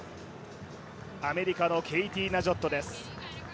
アメリカのケイティ・ナジョットです。